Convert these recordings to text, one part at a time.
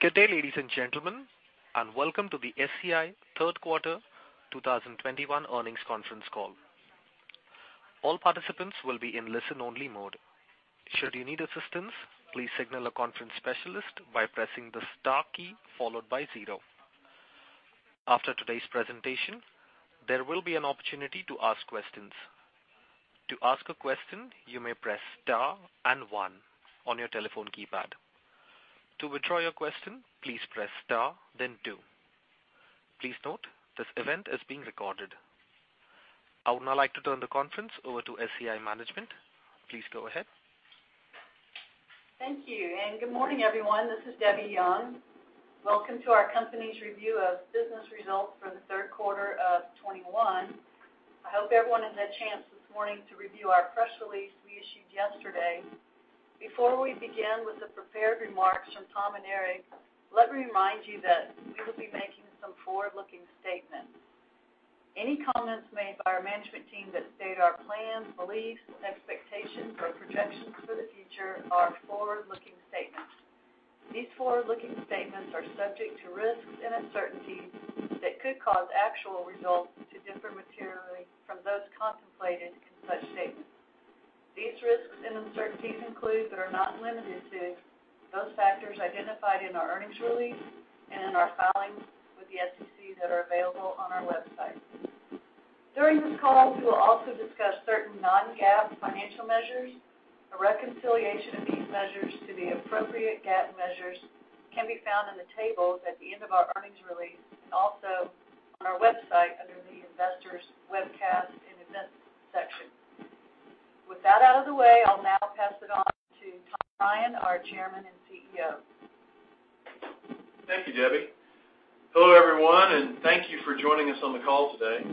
Good day, ladies and gentlemen, and welcome to the SCI Q3 2021 Earnings Conference Call. All participants will be in listen-only mode. Should you need assistance, please signal a conference specialist by pressing the star key followed by zero. After today's presentation, there will be an opportunity to ask questions. To ask a question, you may press star and one on your telephone keypad. To withdraw your question, please press star, then two. Please note, this event is being recorded. I would now like to turn the conference over to SCI Management. Please go ahead. Thank you, and good morning, everyone. This is Debbie Young. Welcome to our company's review of business results for the Q3 of 2021. I hope everyone has had a chance this morning to review our press release we issued yesterday. Before we begin with the prepared remarks from Tom and Eric, let me remind you that we will be making some forward-looking statements. Any comments made by our management team that state our plans, beliefs, expectations, or projections for the future are forward-looking statements. These forward-looking statements are subject to risks and uncertainties that could cause actual results to differ materially from those contemplated in such statements. These risks and uncertainties include, but are not limited to, those factors identified in our earnings release and in our filings with the SEC that are available on our website. During this call, we will also discuss certain non-GAAP financial measures. A reconciliation of these measures to the appropriate GAAP measures can be found in the tables at the end of our earnings release and also on our website under the Investors Webcast and Events section. With that out of the way, I'll now pass it on to Tom Ryan, our Chairman and CEO. Thank you, Debbie. Hello, everyone, and thank you for joining us on the call today.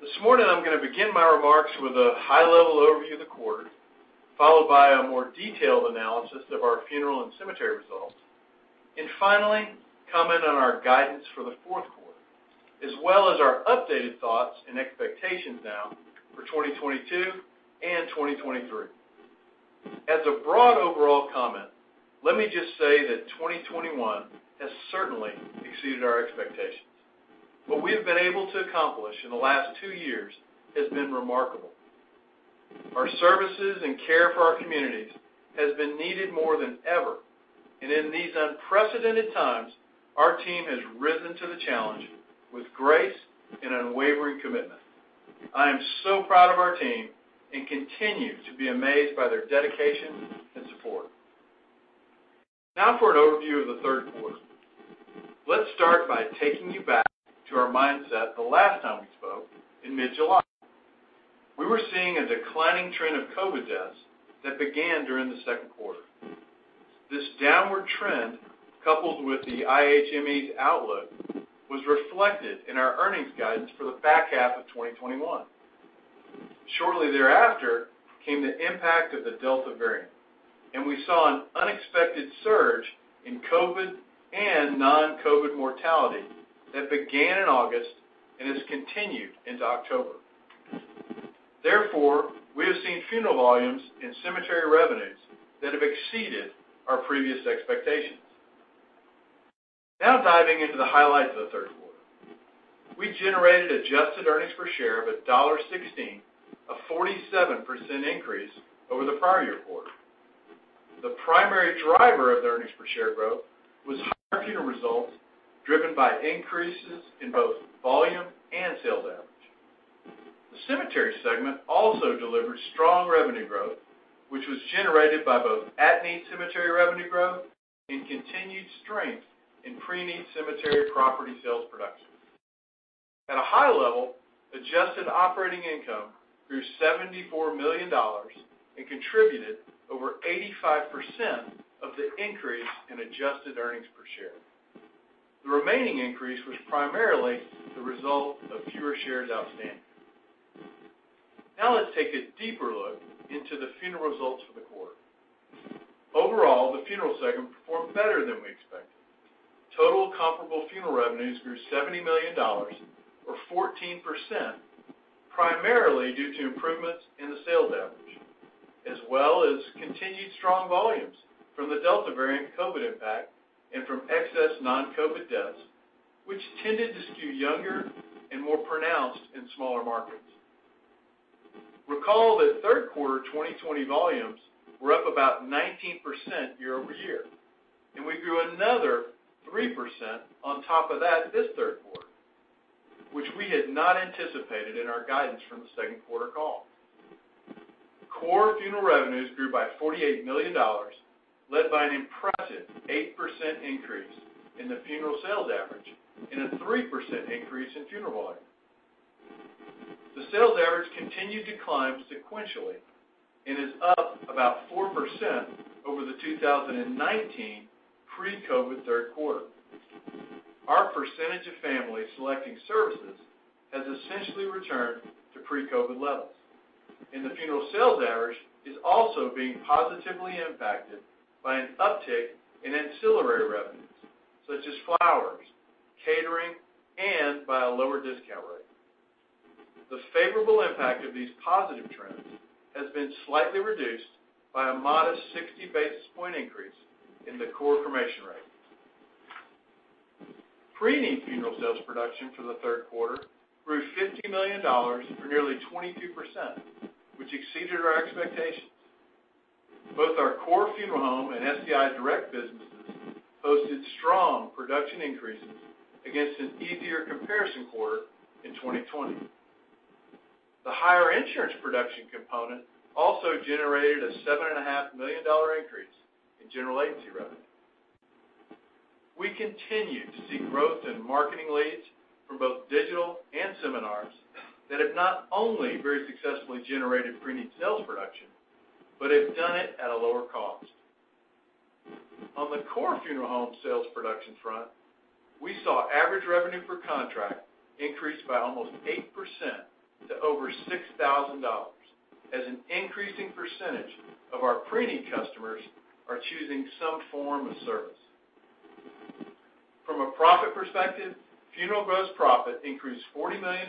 This morning, I'm gonna begin my remarks with a high-level overview of the quarter, followed by a more detailed analysis of our funeral and cemetery results, and finally, comment on our guidance for the Q4, as well as our updated thoughts and expectations now for 2022 and 2023. As a broad overall comment, let me just say that 2021 has certainly exceeded our expectations. What we have been able to accomplish in the last two years has been remarkable. Our services and care for our communities has been needed more than ever. In these unprecedented times, our team has risen to the challenge with grace and unwavering commitment. I am so proud of our team, and continue to be amazed by their dedication and support. Now for an overview of the Q3. Let's start by taking you back to our mindset the last time we spoke in mid-July. We were seeing a declining trend of COVID deaths that began during the Q2. This downward trend, coupled with the IHME's outlook, was reflected in our earnings guidance for the back half of 2021. Shortly thereafter came the impact of the Delta variant, and we saw an unexpected surge in COVID and non-COVID mortality that began in August and has continued into October. Therefore, we have seen funeral volumes and cemetery revenues that have exceeded our previous expectations. Now diving into the highlights of the Q3. We generated adjusted earnings per share of $1.16, a 47% increase over the prior year quarter. The primary driver of the earnings per share growth was high funeral results, driven by increases in both volume and sales average. The cemetery segment also delivered strong revenue growth, which was generated by both at-need cemetery revenue growth and continued strength in preneed cemetery property sales production. At a high level, adjusted operating income grew $74 million and contributed over 85% of the increase in adjusted earnings per share. The remaining increase was primarily the result of fewer shares outstanding. Now let's take a deeper look into the funeral results for the quarter. Overall, the funeral segment performed better than we expected. Total comparable funeral revenues grew $70 million or 14%, primarily due to improvements in the sales average, as well as continued strong volumes from the Delta variant COVID impact and from excess non-COVID deaths, which tended to skew younger and more pronounced in smaller markets. Recall that Q3 2020 volumes were up about 19% year over year, and we grew another 3% on top of that this Q3, which we had not anticipated in our guidance from the Q2 call. Core funeral revenues grew by $48 million, led by an impressive 8% increase in the funeral sales average and a 3% increase in funeral volume. The sales average continued to climb sequentially and is up about 4% over the 2019 pre-COVID Q3. Our percentage of families selecting services has essentially returned to pre-COVID-19 levels, and the funeral sales average is also being positively impacted by an uptick in ancillary revenues, such as flowers, catering, and by a lower discount rate. The favorable impact of these positive trends has been slightly reduced by a modest 60 basis points increase in the core cremation rate. Preneed funeral sales production for the Q3 grew $50 million, or nearly 22%, which exceeded our expectations. Both our core funeral home and SCI Direct businesses posted strong production increases against an easier comparison quarter in 2020. The higher insurance production component also generated a $7.5 million increase in general agency revenue. We continue to see growth in marketing leads from both digital and seminars that have not only very successfully generated pre-need sales production, but have done it at a lower cost. On the core funeral home sales production front, we saw average revenue per contract increase by almost 8% to over $6,000 as an increasing percentage of our pre-need customers are choosing some form of service. From a profit perspective, funeral gross profit increased $40 million,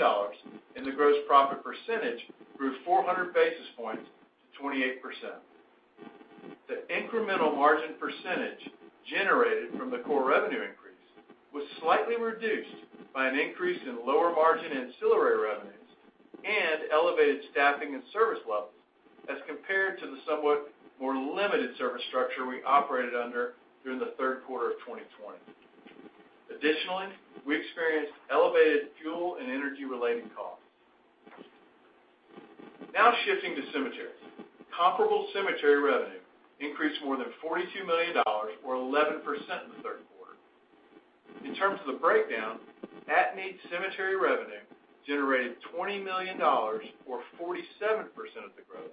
and the gross profit percentage grew 400 basis points to 28%. The incremental margin percentage generated from the core revenue increase was slightly reduced by an increase in lower margin ancillary revenues and elevated staffing and service levels as compared to the somewhat more limited service structure we operated under during the Q3 of 2020. Additionally, we experienced elevated fuel and energy-related costs. Now shifting to cemeteries. Comparable cemetery revenue increased more than $42 million or 11% in the Q3. In terms of the breakdown, at-need cemetery revenue generated $20 million or 47% of the growth,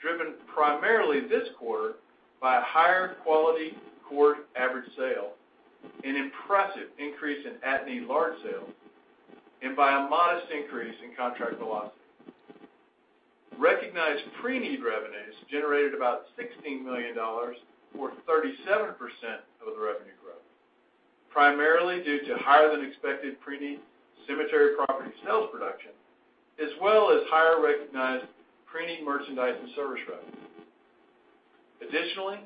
driven primarily this quarter by a higher quality core average sale, an impressive increase in at-need large sales, and by a modest increase in contract velocity. Recognized pre-need revenues generated about $16 million or 37% of the revenue growth, primarily due to higher than expected pre-need cemetery property sales production, as well as higher recognized pre-need merchandise and service revenue. Additionally,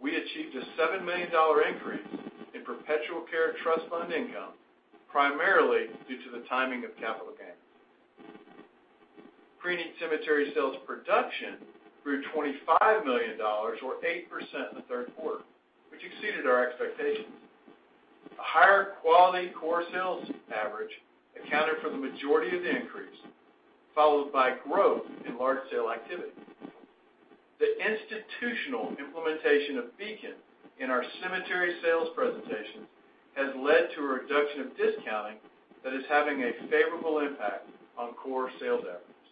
we achieved a $7 million increase in perpetual care trust fund income, primarily due to the timing of capital gains. Pre-need cemetery sales production grew $25 million or 8% in the Q3, which exceeded our expectations. A higher quality core sales average accounted for the majority of the increase, followed by growth in large sale activity. The institutional implementation of Beacon in our cemetery sales presentations has led to a reduction of discounting that is having a favorable impact on core sales efforts.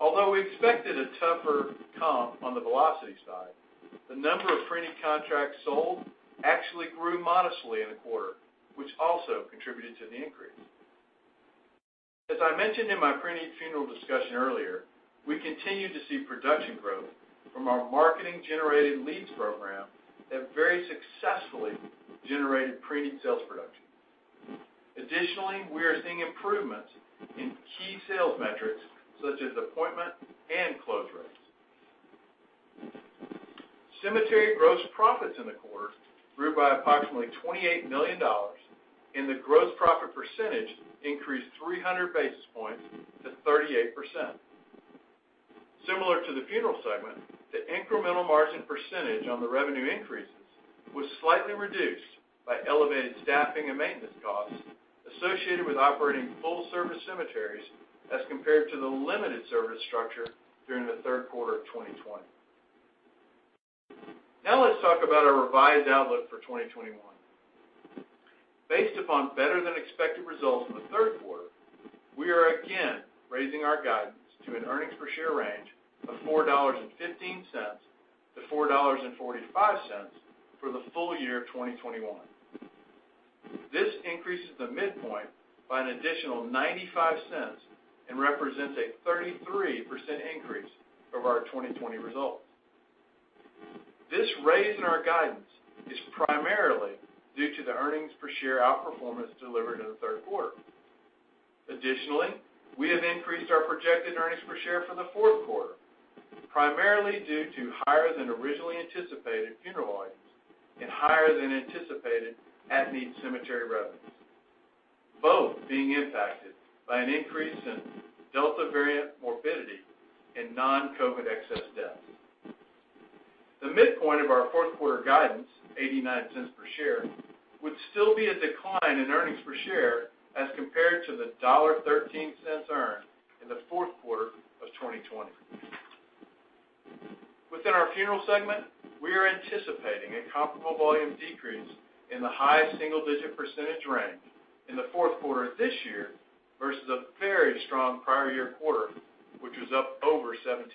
Although we expected a tougher comp on the velocity side, the number of preneed contracts sold actually grew modestly in the quarter, which also contributed to the increase. As I mentioned in my preneed funeral discussion earlier, we continue to see production growth from our marketing-generated leads program that very successfully generated preneed sales production. Additionally, we are seeing improvements in key sales metrics such as appointment and close rates. Cemetery gross profits in the quarter grew by approximately $28 million, and the gross profit percentage increased 300 basis points to 38%. Similar to the funeral segment, the incremental margin percentage on the revenue increases was slightly reduced by elevated staffing and maintenance costs associated with operating full service cemeteries as compared to the limited service structure during the Q3 of 2020. Now let's talk about our revised outlook for 2021. Based upon better than expected results in the Q3, we are again raising our guidance to an earnings per share range of $4.15-$4.45 for the full year of 2021. This increases the midpoint by an additional $0.95 and represents a 33% increase over our 2020 results. This raise in our guidance is primarily due to the earnings per share outperformance delivered in the Q3. Additionally, we have increased our projected earnings per share for the Q4, primarily due to higher than originally anticipated funeral volumes and higher than anticipated at-need cemetery revenues, both being impacted by an increase in Delta variant morbidity and non-COVID excess deaths. The midpoint of our Q4 guidance, $0.89 per share, would still be a decline in earnings per share as compared to the $1.13 earned in the Q4 of 2020. Within our funeral segment, we are anticipating a comparable volume decrease in the high single-digit % range in the Q4 this year versus a very strong prior year quarter, which was up over 17%.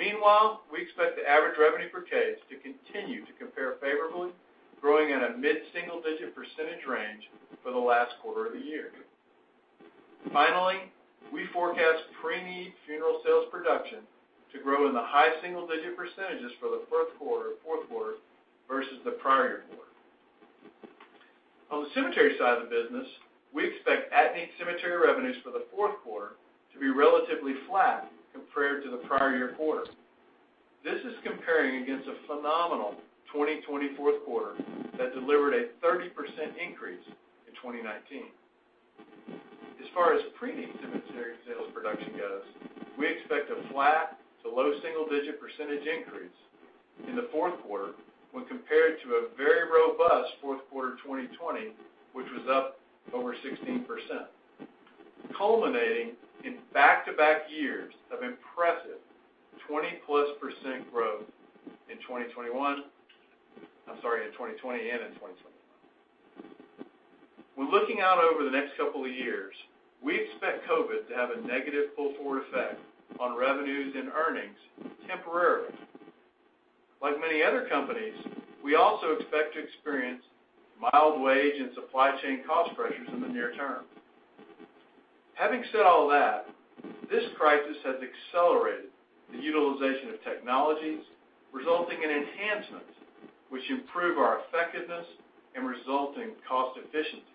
Meanwhile, we expect the average revenue per case to continue to compare favorably, growing at a mid-single-digit % range for the last quarter of the year. Finally, we forecast preneed funeral sales production to grow in the high single-digit % for the Q4, Q4 versus the prior year quarter. On the cemetery side of the business, we expect at-need cemetery revenues for the Q4 to be relatively flat compared to the prior year quarter. This is comparing against a phenomenal 2020 Q4 that delivered a 30% increase in 2019. As far as preneed cemetery sales production goes, we expect a flat to low single-digit % increase in the Q4 when compared to a very robust Q4 of 2020, which was up over 16%, culminating in back-to-back years of impressive 20+% growth in 2021. I'm sorry, in 2020 and in 2021. When looking out over the next couple of years, we expect COVID to have a negative pull-forward effect on revenues and earnings temporarily. Like many other companies, we also expect to experience mild wage and supply chain cost pressures in the near term. Having said all that, this crisis has accelerated the utilization of technologies, resulting in enhancements which improve our effectiveness and resulting cost efficiencies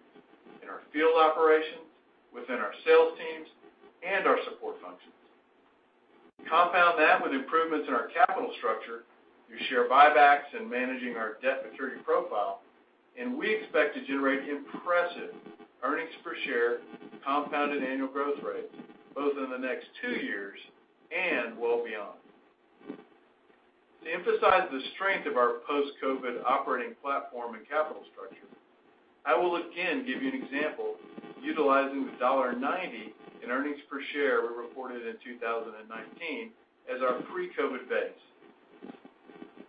in our field operations, within our sales teams, and our support functions. Compound that with improvements in our capital structure through share buybacks and managing our debt maturity profile, and we expect to generate impressive earnings per share compounded annual growth rates, both in the next two years and well beyond. To emphasize the strength of our post-COVID operating platform and capital structure, I will again give you an example, utilizing the $1.90 in earnings per share we reported in 2019 as our pre-COVID base.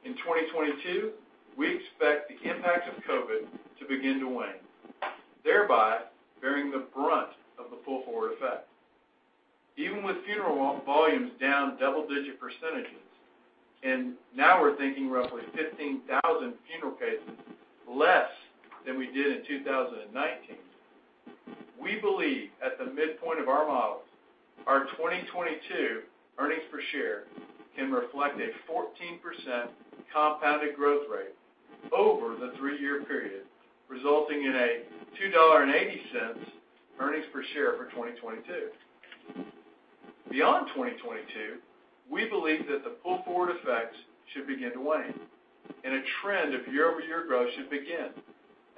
In 2022, we expect the impact of COVID to begin to wane, thereby bearing the brunt of the pull-forward effect. Even with funeral volumes down double-digit percentages, and now we're thinking roughly 15,000 funeral cases, less than we did in 2019. We believe at the midpoint of our models, our 2022 earnings per share can reflect a 14% compounded growth rate over the three-year period, resulting in a $2.80 earnings per share for 2022. Beyond 2022, we believe that the pull-forward effects should begin to wane, and a trend of year-over-year growth should begin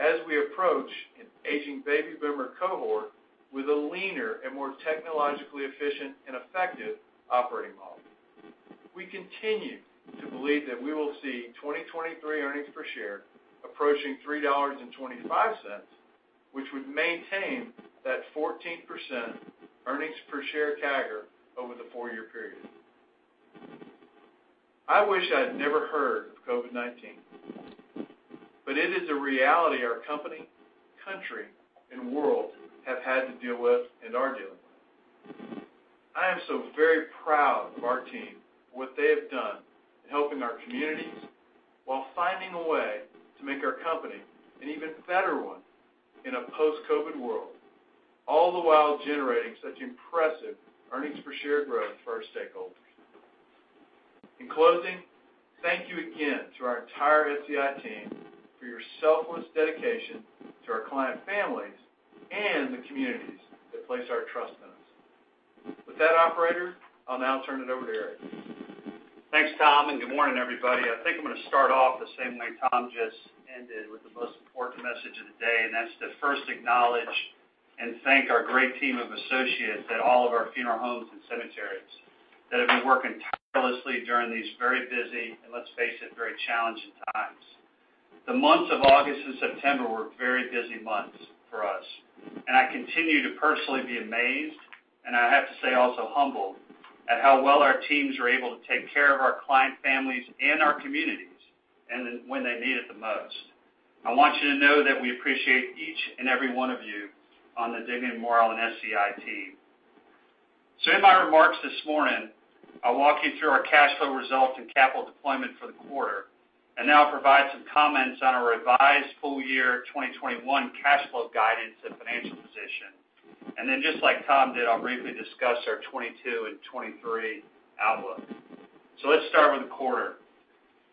as we approach an aging baby boomer cohort with a leaner and more technologically efficient and effective operating model. We continue to believe that we will see 2023 earnings per share approaching $3.25, which would maintain that 14% earnings per share CAGR over the four-year period. I wish I'd never heard of COVID-19, but it is the reality our company, country, and world have had to deal with and are dealing with. I am so very proud of our team for what they have done in helping our communities while finding a way to make our company an even better one in a post-COVID world, all the while generating such impressive earnings per share growth for our stakeholders. In closing, thank you again to our entire SCI team for your selfless dedication to our client families and the communities that place our trust in us. With that, operator, I'll now turn it over to Eric. Thanks, Tom, and good morning, everybody. I think I'm gonna start off the same way Tom just ended, with the most important message of the day, and that's to first acknowledge and thank our great team of associates at all of our funeral homes and cemeteries that have been working tirelessly during these very busy, and let's face it, very challenging times. The months of August and September were very busy months for us, and I continue to personally be amazed, and I have to say also humbled, at how well our teams are able to take care of our client families and our communities and then when they need it the most. I want you to know that we appreciate each and every one of you on the Dignity Memorial and SCI team. In my remarks this morning, I'll walk you through our cash flow results and capital deployment for the quarter, and now provide some comments on our revised full year 2021 cash flow guidance and financial position. Then just like Tom did, I'll briefly discuss our 2022 and 2023 outlook. Let's start with the quarter.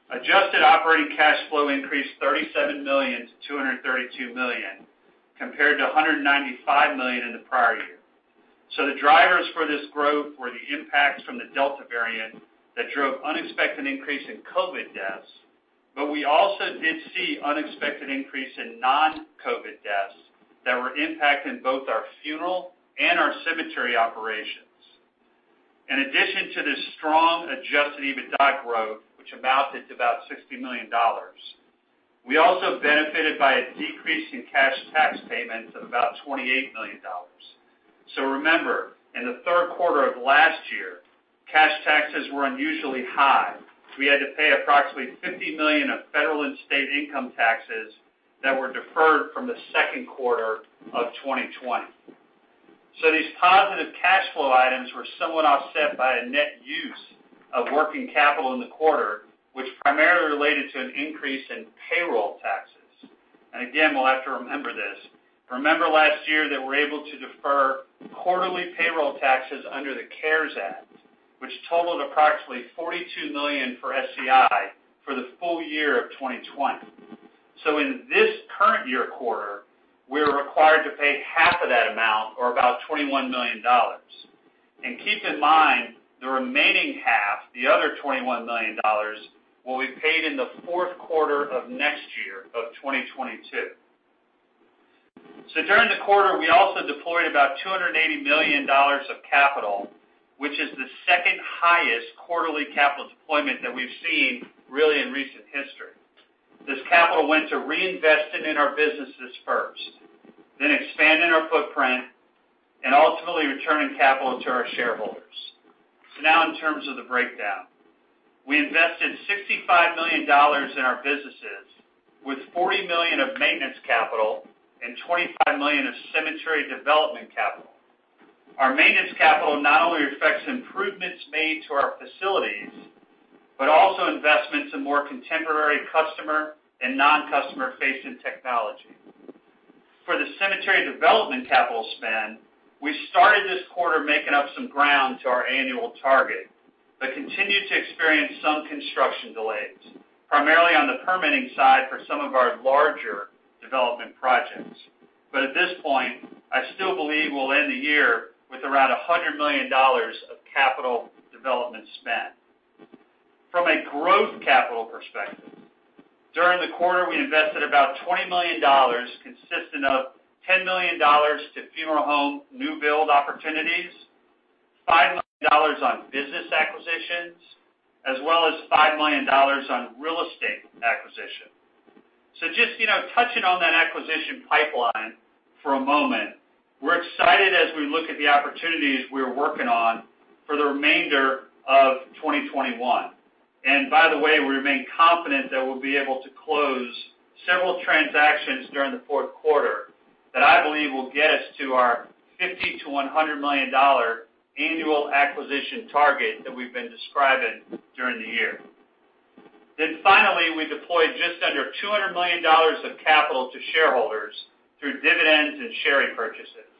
Adjusted operating cash flow increased $37 million to $232 million, compared to $195 million in the prior year. The drivers for this growth were the impacts from the Delta variant that drove unexpected increase in COVID deaths. We also did see unexpected increase in non-COVID deaths that were impacting both our funeral and our cemetery operations. In addition to this strong adjusted EBITDA growth, which amounted to about $60 million, we also benefited by a decrease in cash tax payments of about $28 million. Remember, in the Q3 of last year, cash taxes were unusually high. We had to pay approximately $50 million of federal and state income taxes that were deferred from the Q2 of 2020. These items were somewhat offset by a net use of working capital in the quarter, which primarily related to an increase in payroll taxes. Again, we'll have to remember this. Remember last year that we're able to defer quarterly payroll taxes under the CARES Act, which totaled approximately $42 million for SCI for the full year of 2020. In this current year quarter, we're required to pay half of that amount, or about $21 million. Keep in mind, the remaining half, the other $21 million will be paid in the Q4 of next year of 2022. During the quarter, we also deployed about $280 million of capital, which is the second highest quarterly capital deployment that we've seen really in recent history. This capital went to reinvest it in our businesses first, then expanding our footprint and ultimately returning capital to our shareholders. Now in terms of the breakdown. We invested $65 million in our businesses with $40 million of maintenance capital and $25 million of cemetery development capital. Our maintenance capital not only affects improvements made to our facilities, but also investments in more contemporary customer and non-customer-facing technology. For the cemetery development capital spend, we started this quarter making up some ground to our annual target, but continued to experience some construction delays, primarily on the permitting side for some of our larger development projects. At this point, I still believe we'll end the year with around $100 million of capital development spend. From a growth capital perspective, during the quarter, we invested about $20 million, consisting of $10 million to funeral home new build opportunities, $5 million on business acquisitions, as well as $5 million on real estate acquisition. Just, you know, touching on that acquisition pipeline for a moment, we're excited as we look at the opportunities we're working on for the remainder of 2021. By the way, we remain confident that we'll be able to close several transactions during the Q4 that I believe will get us to our $50 million-$100 million annual acquisition target that we've been describing during the year. Finally, we deployed just under $200 million of capital to shareholders through dividends and share repurchases.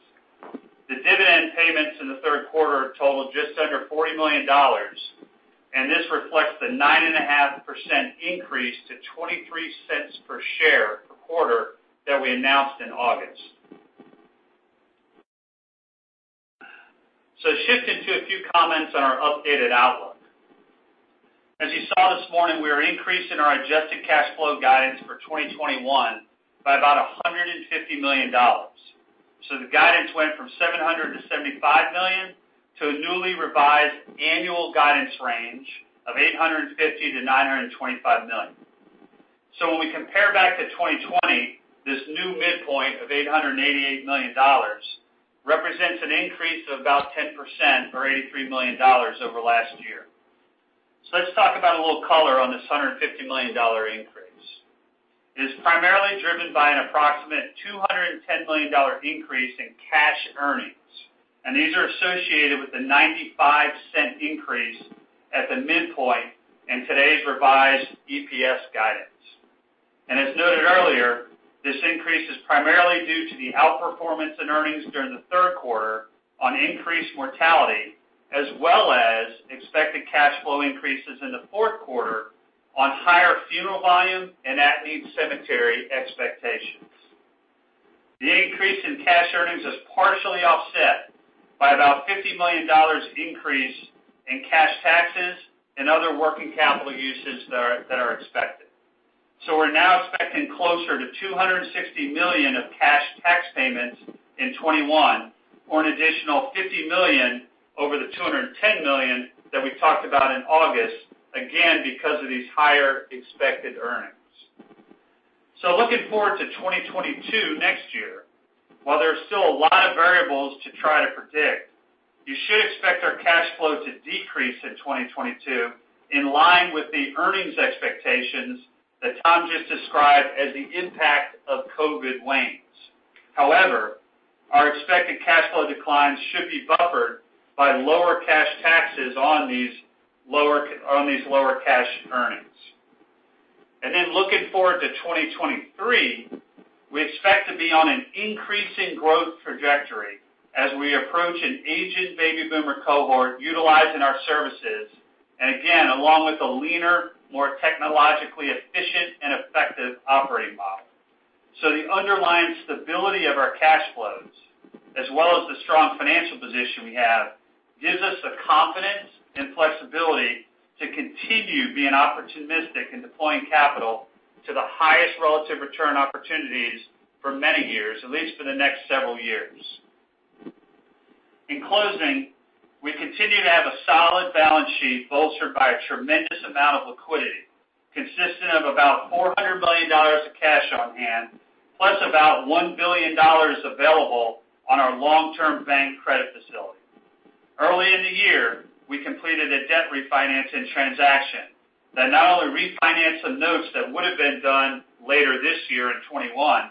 The dividend payments in the Q3 totaled just under $40 million, and this reflects the 9.5% increase to $0.23 per share per quarter that we announced in August. Shifting to a few comments on our updated outlook. As you saw this morning, we are increasing our adjusted cash flow guidance for 2021 by about $150 million. The guidance went from $700 million-$775 million to a newly revised annual guidance range of $850 million-$925 million. When we compare back to 2020, this new midpoint of $888 million represents an increase of about 10% or $83 million over last year. Let's talk about a little color on this $150 million increase. It is primarily driven by an approximate $210 million increase in cash earnings, and these are associated with the $0.95 increase at the midpoint in today's revised EPS guidance. As noted earlier, this increase is primarily due to the outperformance in earnings during the Q3 on increased mortality, as well as expected cash flow increases in the Q4 on higher funeral volume and at-need cemetery expectations. The increase in cash earnings is partially offset by about $50 million increase in cash taxes and other working capital uses that are expected. We're now expecting closer to $260 million of cash tax payments in 2021 or an additional $50 million over the $210 million that we talked about in August, again, because of these higher expected earnings. Looking forward to 2022 next year. While there's still a lot of variables to try to predict, you should expect our cash flow to decrease in 2022 in line with the earnings expectations that Tom just described as the impact of COVID wanes. However, our expected cash flow declines should be buffered by lower cash taxes on these lower cash earnings. Looking forward to 2023, we expect to be on an increasing growth trajectory as we approach an aging baby boomer cohort utilizing our services, and again, along with a leaner, more technologically efficient and effective operating model. The underlying stability of our cash flows, as well as the strong financial position we have, gives us the confidence and flexibility to continue being opportunistic in deploying capital to the highest relative return opportunities for many years, at least for the next several years. In closing, we continue to have a solid balance sheet bolstered by a tremendous amount of liquidity, consisting of about $400 million of cash on hand, plus about $1 billion available on our long-term bank credit facility. A debt refinancing transaction that not only refinanced some notes that would have been done later this year in 2021,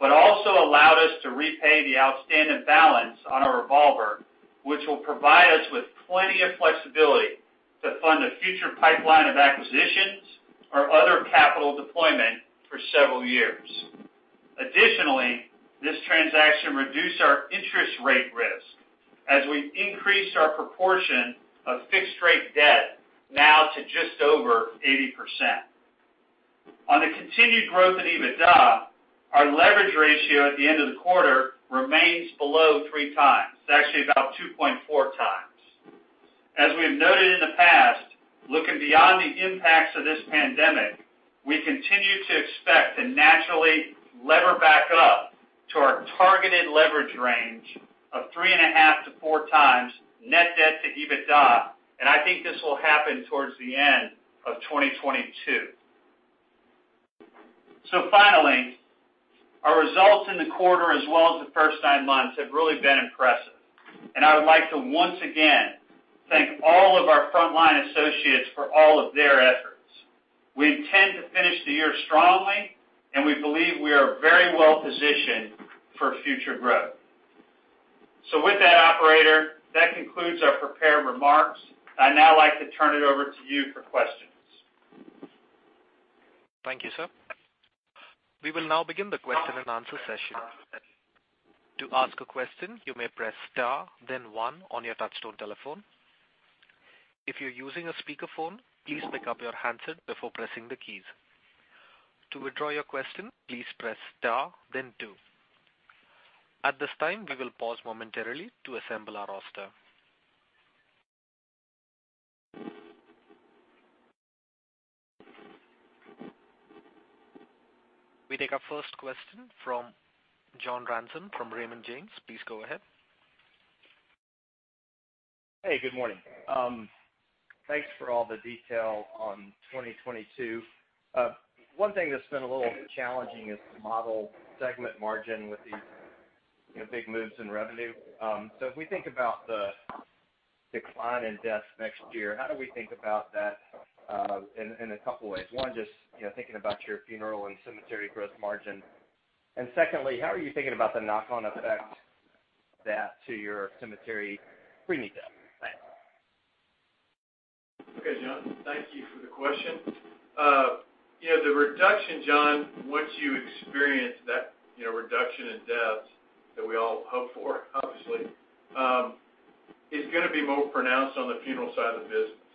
but also allowed us to repay the outstanding balance on our revolver, which will provide us with plenty of flexibility to fund a future pipeline of acquisitions or other capital deployment for several years. Additionally, this transaction reduced our interest rate risk as we increased our proportion of fixed-rate debt now to just over 80%. On the continued growth in EBITDA, our leverage ratio at the end of the quarter remains below 3x. It's actually about 2.4x. As we have noted in the past, looking beyond the impacts of this pandemic, we continue to expect to naturally lever back up to our targeted leverage range of 3.5-4x net debt to EBITDA, and I think this will happen towards the end of 2022. Finally, our results in the quarter as well as the first nine months have really been impressive. I would like to once again thank all of our frontline associates for all of their efforts. We intend to finish the year strongly, and we believe we are very well positioned for future growth. With that, operator, that concludes our prepared remarks. I'd now like to turn it over to you for questions. Thank you, sir. We will now begin the question-and-answer session. To ask a question, you may press star then one on your touchtone telephone. If you're using a speakerphone, please pick up your handset before pressing the keys. To withdraw your question, please press star then two. At this time, we will pause momentarily to assemble our roster. We take our first question from John Ransom from Raymond James. Please go ahead. Hey, good morning. Thanks for all the detail on 2022. One thing that's been a little challenging is to model segment margin with these, you know, big moves in revenue. So if we think about the decline in deaths next year, how do we think about that in a couple ways? One, just, you know, thinking about your funeral and cemetery gross margin. Secondly, how are you thinking about the knock-on effect of that to your cemetery pre-need sales plan? Okay, John, thank you for the question. You know, the reduction, John, once you experience that, you know, reduction in deaths that we all hope for, obviously, is gonna be more pronounced on the funeral side of the business.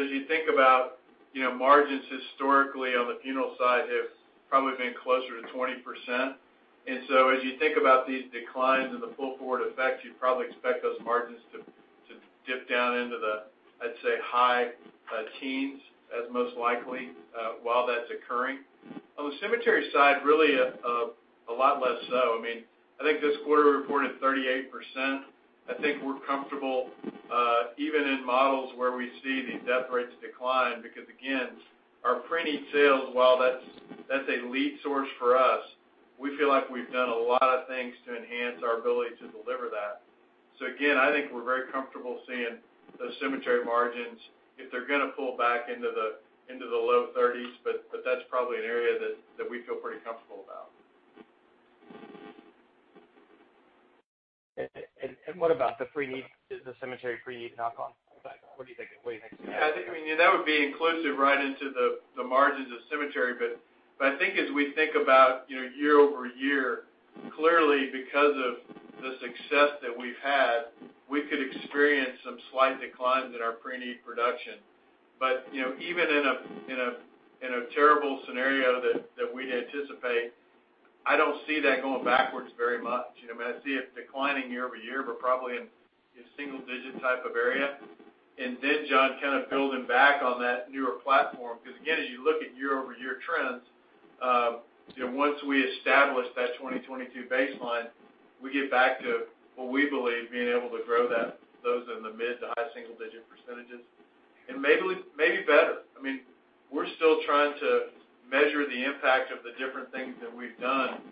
As you think about, you know, margins historically on the funeral side have probably been closer to 20%. As you think about these declines and the pull-forward effect, you'd probably expect those margins to dip down into the, I'd say, high teens as most likely, while that's occurring. On the cemetery side, really, a lot less so. I mean, I think this quarter we reported 38%. I think we're comfortable even in models where we see these death rates decline because again, our preneed sales, while that's a lead source for us, we feel like we've done a lot of things to enhance our ability to deliver that. Again, I think we're very comfortable seeing those cemetery margins if they're gonna pull back into the low thirties, but that's probably an area that we feel pretty comfortable about. What about the pre-need, the cemetery pre-need knock-on effect? What do you think? What do you think it's gonna be? Yeah, I think, I mean, that would be inclusive right into the margins of cemetery. I think as we think about, you know, year-over-year, clearly because of the success that we've had, we could experience some slight declines in our pre-need production. You know, even in a terrible scenario that we'd anticipate, I don't see that going backwards very much. You know, I mean, I see it declining year-over-year, but probably in single-digit type of area. Then John, kind of building back on that newer platform, because again, as you look at year-over-year trends, you know, once we establish that 2022 baseline, we get back to what we believe being able to grow those in the mid- to high-single-digit %. Maybe better. I mean, we're still trying to measure the impact of the different things that we've done,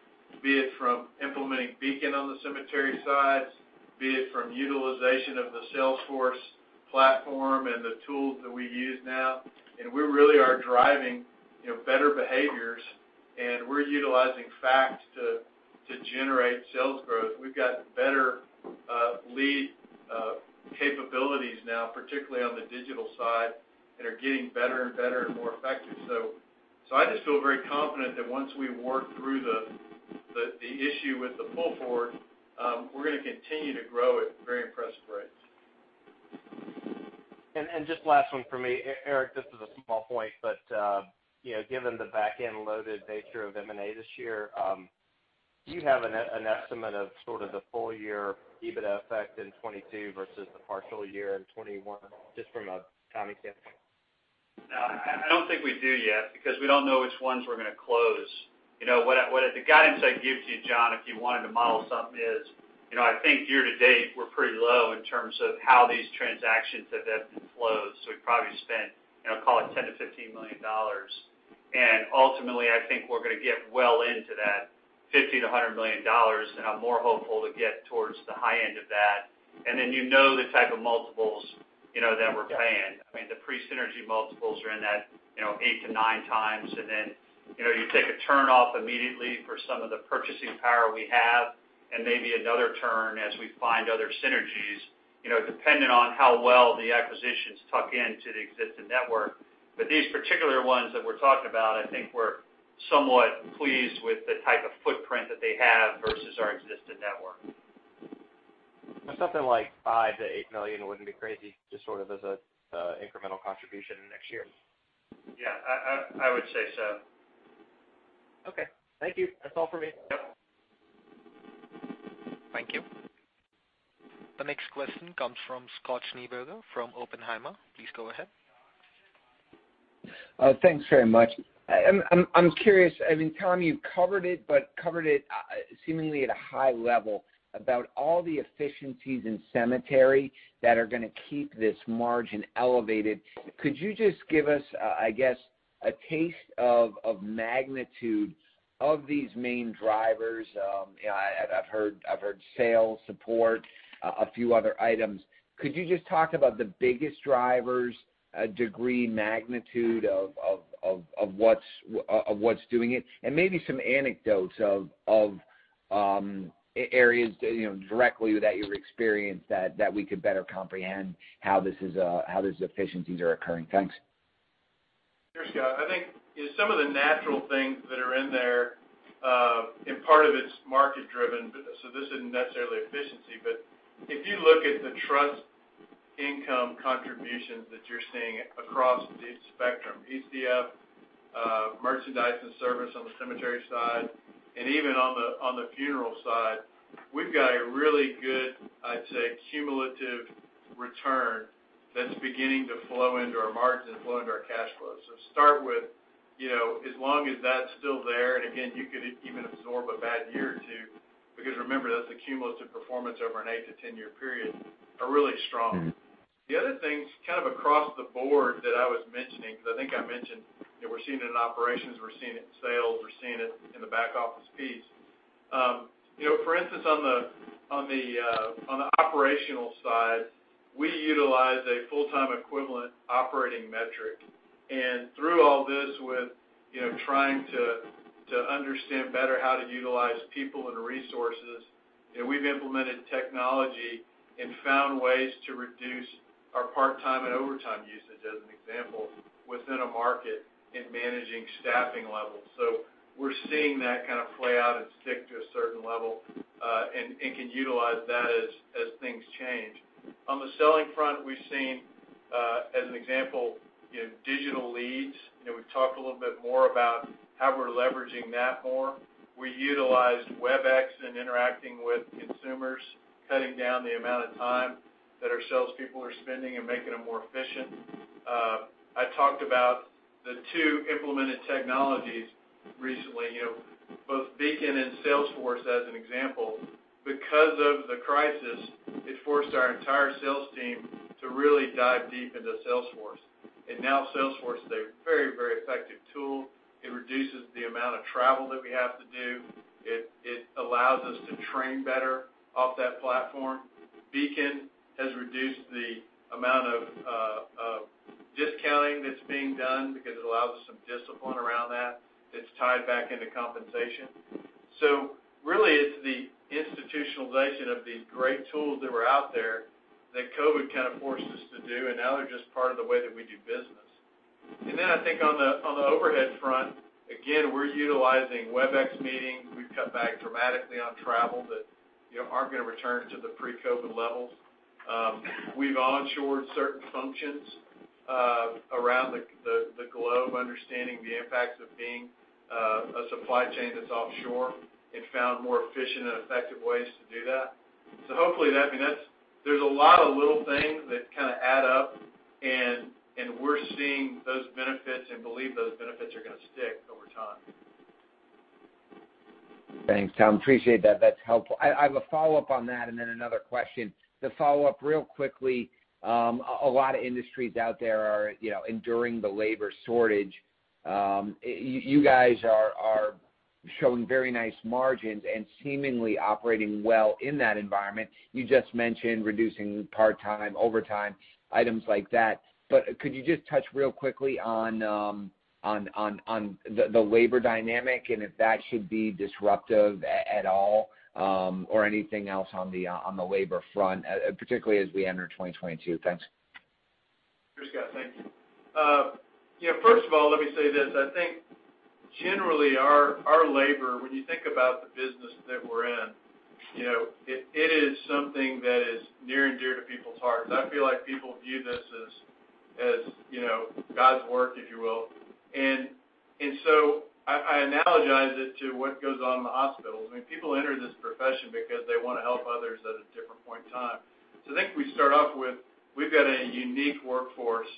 be it from implementing Beacon on the cemetery sides, be it from utilization of the Salesforce platform and the tools that we use now. We really are driving, you know, better behaviors, and we're utilizing facts to generate sales growth. We've got better lead capabilities now, particularly on the digital side, that are getting better and better and more effective. I just feel very confident that once we work through the issue with the pull forward, we're gonna continue to grow at very impressive rates. Just last one for me, Eric, this is a small point, but you know, given the back-end loaded nature of M&A this year, do you have an estimate of sort of the full year EBITDA effect in 2022 versus the partial year in 2021, just from a timing standpoint? No, I don't think we do yet because we don't know which ones we're gonna close. You know, what the guidance I'd give to you, John, if you wanted to model something is, you know, I think year to date we're pretty low in terms of how these transactions have been closed. We've probably spent, you know, call it $10-$15 million. Ultimately, I think we're gonna get well into that $50-$100 million, and I'm more hopeful to get towards the high end of that. Then, you know, the type of multiples, you know, that we're paying. I mean, the pre-synergy multiples are in that, you know, 8x-9x. You know, you take a turn-off immediately for some of the purchasing power we have and maybe another turn as we find other synergies, you know, depending on how well the acquisitions tuck into the existing network. These particular ones that we're talking about, I think we're somewhat pleased with the type of footprint that they have versus our existing network. Something like $5 million-$8 million wouldn't be crazy, just sort of as a incremental contribution in the next year? Yeah, I would say so. Okay. Thank you. That's all for me. Yep. Thank you. The next question comes from Scott Schneeberger from Oppenheimer. Please go ahead. Thanks very much. I'm curious, I mean, Tom, you covered it, but seemingly at a high level, about all the efficiencies in cemetery that are gonna keep this margin elevated. Could you just give us, I guess, a taste of magnitude of these main drivers? You know, I've heard sales, support, a few other items. Could you just talk about the biggest drivers, a degree of magnitude of what's doing it? And maybe some anecdotes of areas, you know, directly that you've experienced that we could better comprehend how this is, how these efficiencies are occurring. Thanks. Sure, Scott. I think some of the natural things that are in there, and part of it's market driven, but so this isn't necessarily efficiency. If you look at the trust income contributions that you're seeing across the spectrum, ECF, merchandise and service on the cemetery side, and even on the funeral side, we've got a really good, I'd say, cumulative return that's beginning to flow into our margins and flow into our cash flows. Start with, you know, as long as that's still there, and again, you could even absorb a bad year or two, because remember, that's a cumulative performance over an 8-10-year period, are really strong. Mm-hmm. The other things kind of across the board that I was mentioning, because I think I mentioned that we're seeing it in operations, we're seeing it in sales, we're seeing it in the back-office piece. You know, for instance, on the operational side, we utilize a full-time equivalent operating metric. Through all this with, you know, trying to understand better how to utilize people and resources, and we've implemented technology and found ways to reduce our part-time and overtime usage as an example, within a market in managing staffing levels. We're seeing that kind of play out and stick to a certain level, and can utilize that as things change. On the selling front, we've seen, as an example, you know, digital leads. You know, we've talked a little bit more about how we're leveraging that more. We utilized Webex in interacting with consumers, cutting down the amount of time that our sales people are spending and making them more efficient. I talked about the two implemented technologies recently, you know, both Beacon and Salesforce as an example. Because of the crisis, it forced our entire sales team to really dive deep into Salesforce. Now Salesforce is a very, very effective tool. It reduces the amount of travel that we have to do. It allows us to train better off that platform. Beacon has reduced the amount of discounting that's being done because it allows us some discipline around that. It's tied back into compensation. Really it's the institutionalization of these great tools that were out there that COVID kind of forced us to do, and now they're just part of the way that we do business. I think on the overhead front, again, we're utilizing Webex meetings. We've cut back dramatically on travel that aren't gonna return to the pre-COVID levels. We've onshored certain functions around the globe, understanding the impacts of being a supply chain that's offshore and found more efficient and effective ways to do that. Hopefully, I mean, there's a lot of little things that kinda add up, and we're seeing those benefits and believe those benefits are gonna stick over time. Thanks, Tom. Appreciate that. That's helpful. I have a follow-up on that and then another question. The follow-up real quickly, a lot of industries out there are, you know, enduring the labor shortage. You guys are showing very nice margins and seemingly operating well in that environment. You just mentioned reducing part-time, overtime, items like that. But could you just touch real quickly on the labor dynamic and if that should be disruptive at all, or anything else on the labor front, particularly as we enter 2022? Thanks. Sure, Scott. Thank you. You know, first of all, let me say this. I think generally our labor, when you think about the business that we're in, you know, it is something that is near and dear to people's hearts. I feel like people view this as you know, God's work, if you will. So I analogize it to what goes on in the hospitals. I mean, people enter this profession because they wanna help others at a different point in time. I think we start off with we've got a unique workforce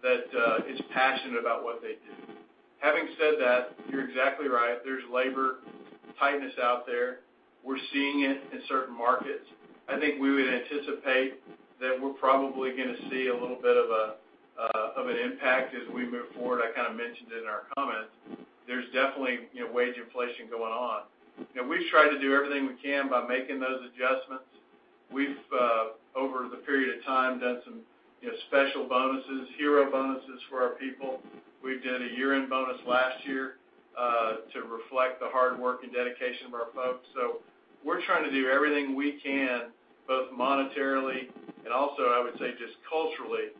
that is passionate about what they do. Having said that, you're exactly right. There's labor tightness out there. We're seeing it in certain markets. I think we would anticipate that we're probably gonna see a little bit of an impact as we move forward. I kind of mentioned it in our comments. There's definitely, you know, wage inflation going on. You know, we've tried to do everything we can by making those adjustments. We've over the period of time, done some, you know, special bonuses, hero bonuses for our people. We did a year-end bonus last year to reflect the hard work and dedication of our folks. We're trying to do everything we can, both monetarily and also, I would say, just culturally,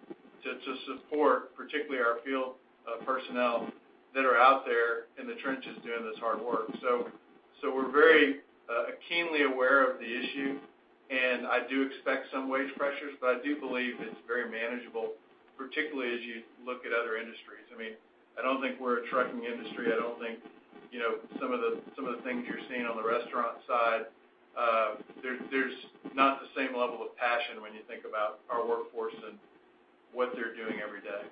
to support, particularly our field personnel that are out there in the trenches doing this hard work. We're very keenly aware of the issue, and I do expect some wage pressures, but I do believe it's very manageable, particularly as you look at other industries. I mean, I don't think we're a trucking industry. I don't think, you know, some of the things you're seeing on the restaurant side. There's not the same level of passion when you think about our workforce and what they're doing every day.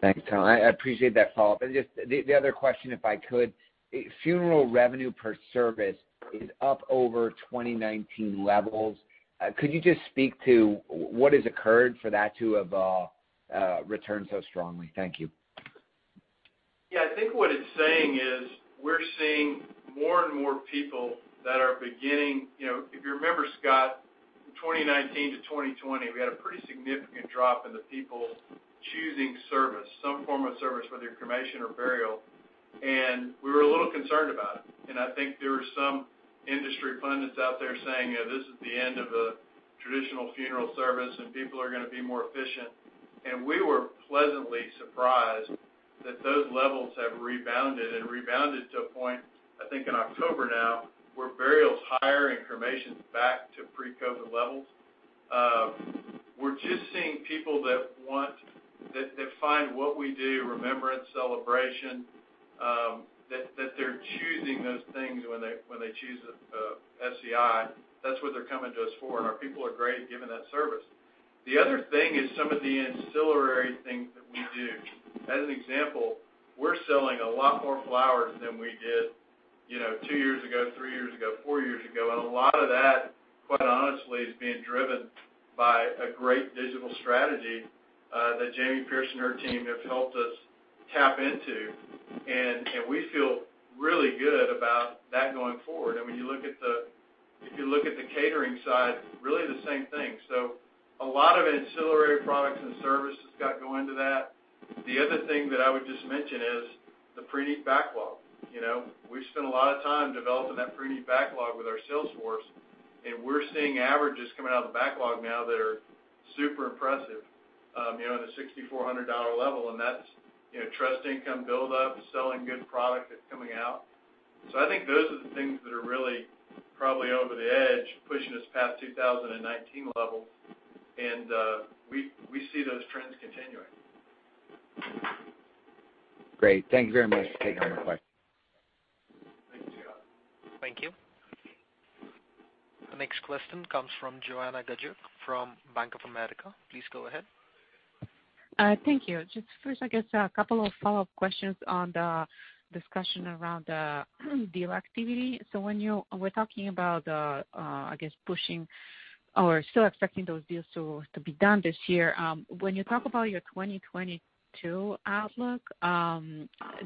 Thanks, Tom. I appreciate that follow-up. Just the other question, if I could. Funeral revenue per service is up over 2019 levels. Could you just speak to what has occurred for that to have returned so strongly? Thank you. Yeah. I think what it's saying is we're seeing more and more people. You know, if you remember, Scott, from 2019 to 2020, we had a pretty significant drop in the people choosing service, some form of service, whether cremation or burial, and we were a little concerned about it. I think there were some industry pundits out there saying, you know, this is the end of a traditional funeral service, and people are gonna be more efficient. We were pleasantly surprised that those levels have rebounded to a point, I think in October now, where burial is higher and cremation's back to pre-COVID levels. We're just seeing people that find what we do, remembrance, celebration, that they're choosing those things when they choose SCI. That's what they're coming to us for, and our people are great at giving that service. The other thing is some of the ancillary things that we do. As an example, we're selling a lot more flowers than we did, you know, two years ago, three years ago, four years ago. A lot of that, quite honestly, is being driven by a great digital strategy that Jaimie Pierce and her team have helped us tap into. We feel really good about that going forward. I mean, if you look at the catering side, really the same thing. A lot of ancillary products and services, Scott, go into that. The other thing that I would just mention is the preneed backlog. You know, we've spent a lot of time developing that preneed backlog with our sales force, and we're seeing averages coming out of the backlog now that are super impressive, you know, in the $6,400 level. That's, you know, trust income build up and selling good product that's coming out. I think those are the things that are really probably over the edge, pushing us past 2019 levels. We see those trends continuing. Great. Thank you very much for taking my question. Thanks, Scott. Thank you. The next question comes from Joanna Gajuk from Bank of America. Please go ahead. Thank you. Just first, I guess, a couple of follow-up questions on the discussion around the deal activity. When you were talking about, I guess pushing or still expecting those deals to be done this year, when you talk about your 2022 outlook,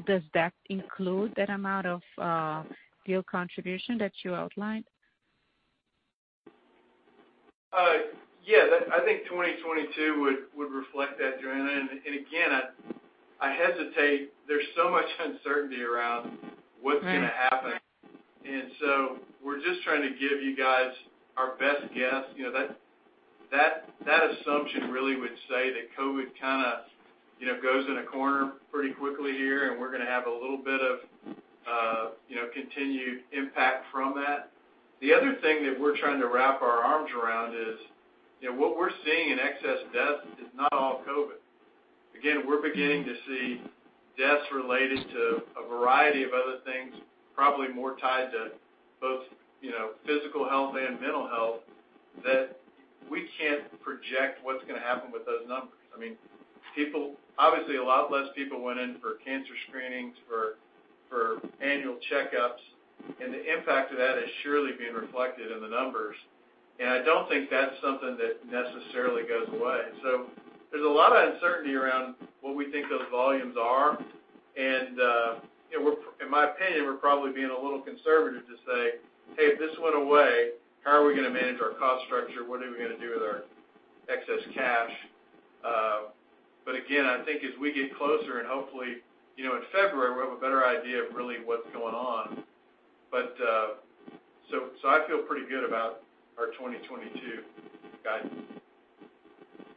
does that include that amount of deal contribution that you outlined? I think 2022 would reflect that, Joanna. Again, I hesitate. There's so much uncertainty around what's gonna happen. We're just trying to give you guys our best guess. You know, that assumption really would say that COVID kind of, you know, goes in a corner pretty quickly here, and we're gonna have a little bit of, you know, continued impact from that. The other thing that we're trying to wrap our arms around is, you know, what we're seeing in excess deaths is not all COVID. Again, we're beginning to see deaths related to a variety of other things, probably more tied to both, you know, physical health and mental health, that we can't project what's gonna happen with those numbers. I mean, obviously, a lot less people went in for cancer screenings, for annual checkups, and the impact of that is surely being reflected in the numbers. I don't think that's something that necessarily goes away. There's a lot of uncertainty around what we think those volumes are. You know, in my opinion, we're probably being a little conservative to say, "Hey, if this went away, how are we gonna manage our cost structure? What are we gonna do with our excess cash?" But again, I think as we get closer, and hopefully, you know, in February, we'll have a better idea of really what's going on. So I feel pretty good about our 2022 guidance.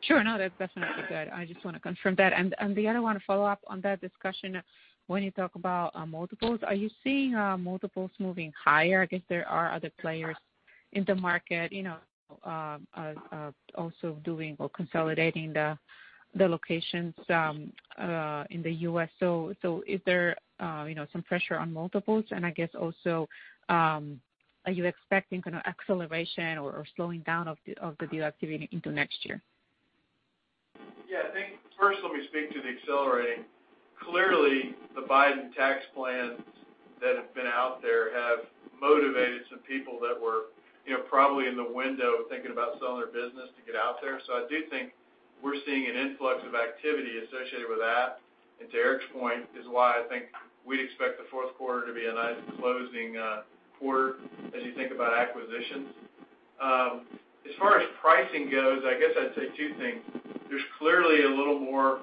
Sure. No, that's definitely good. I just wanna confirm that. The other one follow-up on that discussion, when you talk about multiples, are you seeing multiples moving higher? I guess there are other players in the market, you know, also doing or consolidating the locations in the U.S. Is there, you know, some pressure on multiples? I guess also, are you expecting kind of acceleration or slowing down of the deal activity into next year? Yeah, I think first let me speak to the accelerating. Clearly, the Biden tax plans that have been out there have motivated some people that were, you know, probably in the window thinking about selling their business to get out there. I do think we're seeing an influx of activity associated with that. To Eric's point is why I think we expect the Q4 to be a nice closing, quarter as you think about acquisitions. As far as pricing goes, I guess I'd say two things. There's clearly a little more,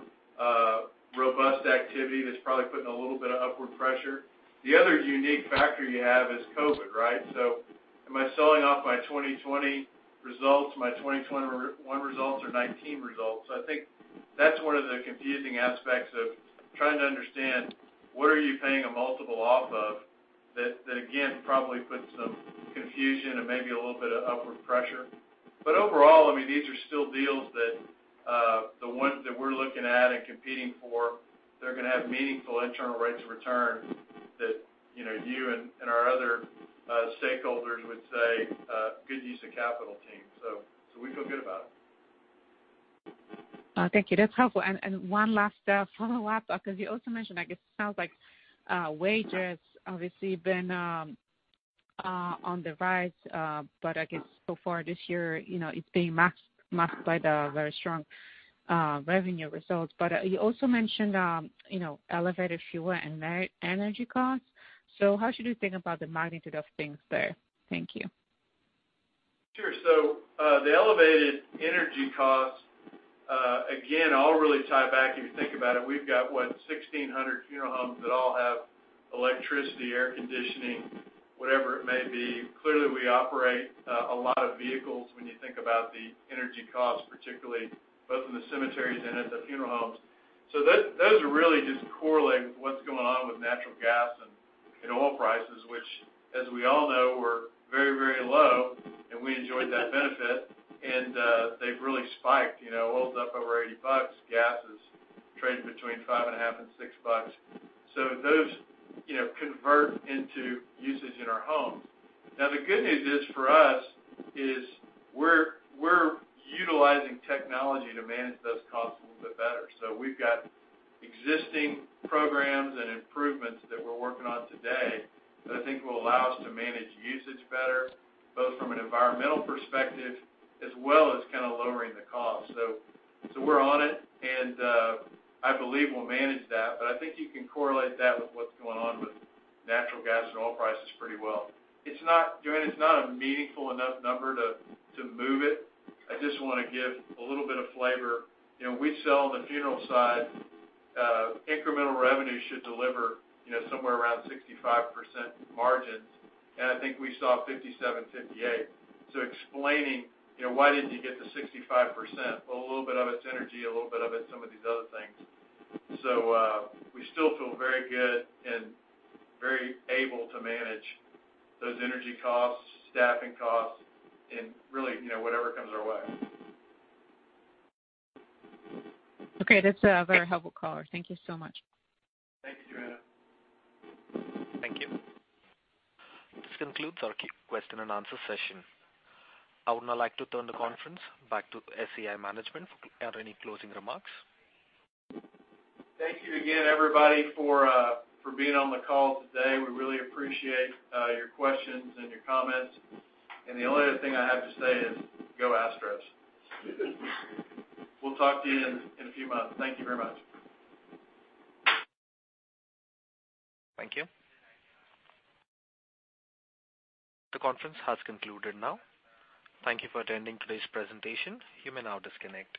robust activity that's probably putting a little bit of upward pressure. The other unique factor you have is COVID, right? Am I selling off my 2020 results, my 2021 results or 2019 results? I think that's one of the confusing aspects of trying to understand what are you paying a multiple off of that again, probably puts some confusion and maybe a little bit of upward pressure. Overall, I mean, these are still deals that, the ones that we're looking at and competing for, they're gonna have meaningful internal rates of return that, you know, you and our other, stakeholders would say, good use of capital team. We feel good about it. Thank you. That's helpful. One last follow-up, because you also mentioned, I guess, it sounds like wages obviously been on the rise. I guess so far this year, you know, it's being masked by the very strong revenue results. You also mentioned, you know, elevated fuel and energy costs. How should we think about the magnitude of things there? Thank you. Sure. The elevated energy costs, again, all really tie back. If you think about it, we've got, what, 1,600 funeral homes that all have electricity, air conditioning, whatever it may be. Clearly, we operate a lot of vehicles when you think about the energy costs, particularly both in the cemeteries and at the funeral homes. Those are really just correlating with what's going on with natural gas and oil prices, which, as we all know, were very, very low, and we enjoyed that benefit. They've really spiked. You know, oil's up over $80. Gas is trading between $5.50 and $6. Those, you know, convert into usage in our homes. Now, the good news is for us is we're utilizing technology to manage those costs a little bit better. We've got existing programs and improvements that we're working on today that I think will allow us to manage usage better, both from an environmental perspective as well as kinda lowering the cost. We're on it, and I believe we'll manage that. I think you can correlate that with what's going on with natural gas and oil prices pretty well. It's not, Joanna, it's not a meaningful enough number to move it. I just wanna give a little bit of flavor. You know, we sell on the funeral side, incremental revenue should deliver, you know, somewhere around 65% margins. I think we saw 57, 58. Explaining, you know, why didn't you get to 65%? Well, a little bit of it's energy, a little bit of it's some of these other things. We still feel very good and very able to manage those energy costs, staffing costs and really, you know, whatever comes our way. Okay. That's a very helpful call. Thank you so much. Thank you, Joanna. Thank you. This concludes our question and answer session. I would now like to turn the conference back to SCI management for any closing remarks. Thank you again, everybody, for being on the call today. We really appreciate your questions and your comments. The only other thing I have to say is go Astros. We'll talk to you in a few months. Thank you very much. Thank you. The conference has concluded now. Thank you for attending today's presentation. You may now disconnect.